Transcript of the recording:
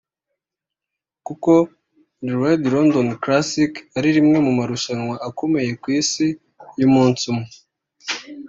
Kuko ‘The Ride London Classic’ ari rimwe mu marushanwa akomeye ku Isi y’umunsi umwe